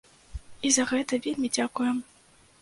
І за гэта вельмі дзякуем!